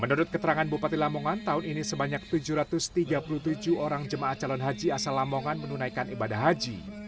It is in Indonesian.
menurut keterangan bupati lamongan tahun ini sebanyak tujuh ratus tiga puluh tujuh orang jemaah calon haji asal lamongan menunaikan ibadah haji